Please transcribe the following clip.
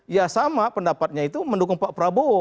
ya sama pendapatnya itu mendukung pak prabowo